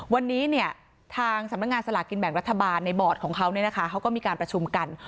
วันนี้เนี่ยทางสำนักงานสลากกินแบ่งรัฐบาลในบอร์ดของเขาเขาก็มีการประชุมกัน